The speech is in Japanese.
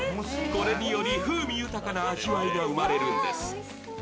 これにより風味豊かな味わいが生まれるんです。